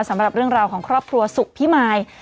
สำหรับเรื่องราวของครอบครัวสุขพิมาย